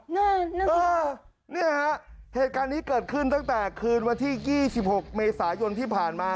นั่นน่ะเออเนี่ยฮะเหตุการณ์นี้เกิดขึ้นตั้งแต่คืนวันที่๒๖เมษายนที่ผ่านมา